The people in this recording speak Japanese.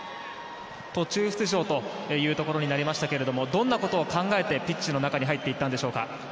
途中出場というところになりましたがどんなことを考えてピッチに入っていきましたか？